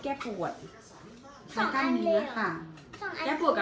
แก้ปวดกับไข้กำเนื้อค่ะ